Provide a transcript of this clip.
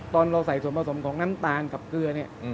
เราใส่ส่วนผสมของน้ำตาลกับเกลือเนี่ย